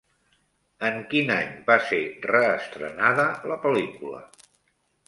En quin any va ser reestrenada la pel·lícula?